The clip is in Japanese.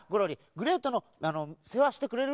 グレートのせわしてくれる？